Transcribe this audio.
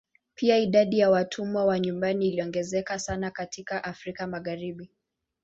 Pia idadi ya watumwa wa nyumbani iliongezeka sana katika Afrika Magharibi.